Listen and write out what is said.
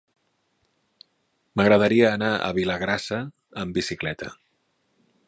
M'agradaria anar a Vilagrassa amb bicicleta.